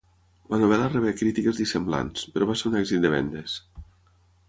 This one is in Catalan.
La novel·la rebé crítiques dissemblants, però va ser un èxit de vendes.